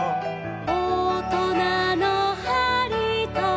「おとなのはりと」